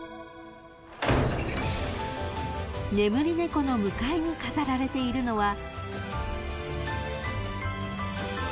［眠り猫の向かいに飾られているのは］